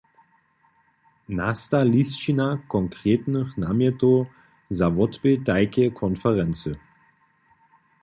Nasta lisćina konkretnych namjetow za wotběh tajkeje konferency.